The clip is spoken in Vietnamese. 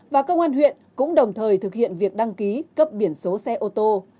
và công an huyện cũng đồng thời thực hiện việc đăng ký cấp biển số xe ô tô